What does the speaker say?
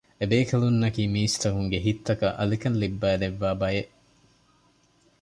އެ ބޭކަލުންނަކީ މީސްތަކުންގެ ހިތްތަކަށް އަލިކަން ލިއްބައިދެއްވާ ބަޔެއް